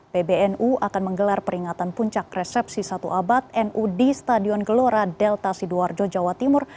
pbnu akan menggelar peringatan puncak resepsi satu abad nu di stadion gelora delta sidoarjo jawa timur